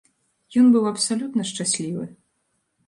Ён быў абсалютна шчаслівы.